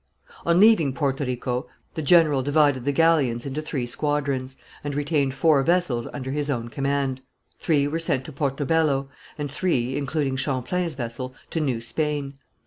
On leaving Porto Rico the general divided the galleons into three squadrons, and retained four vessels under his own command. Three were sent to Porto Bello, and three, including Champlain's vessel, to New Spain.